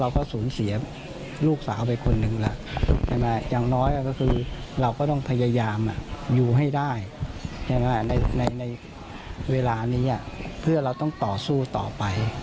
ครอบครัวไม่ได้อาฆาตแต่มองว่ามันช้าเกินไปแล้วที่จะมาแสดงความรู้สึกในตอนนี้